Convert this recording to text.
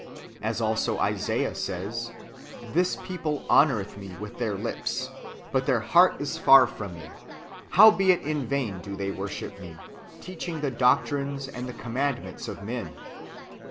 As also Isaiah says :'' This people hononreth me \\ii\\ their lips, but their heart is far from me : howbelt In vain do they worship me, teaching the doctrines and the commandments of men."